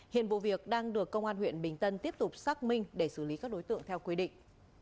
hiện vụ việc đang được công an huyện bình tân tiếp tục xác minh để xử lý các đối tượng theo quy định